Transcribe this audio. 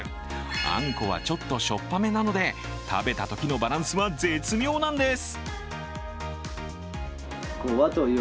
あんこは、ちょっとしょっぱめなので、食べたときのバランスは絶妙なんです。